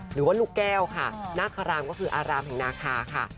หรือว่าลูกแก้วค่ะนาคารามก็คืออารามแห่งนาคาค่ะ